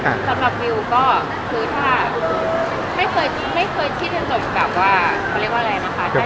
จบอะไรวะครับ